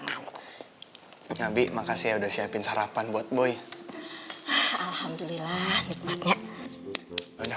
ngalir nabi makasih udah siapin sarapan buat boy alhamdulillah nikmatnya udah